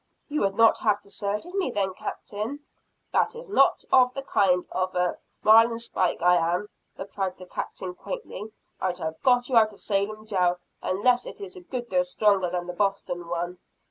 "You would not have deserted me then, Captain?" "That is not the kind of a marlinespike I am," replied the Captain quaintly. "I'd have got you out of Salem jail, unless it is a good deal stronger than the Boston one."